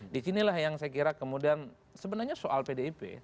di sinilah yang saya kira kemudian sebenarnya soal pdip